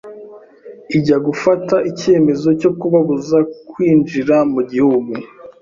ijya gufata ikemezo cyo kubabuza kwinjira mu Gihugu